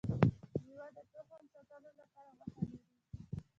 ميوه د تخم ساتلو لپاره غوښه لري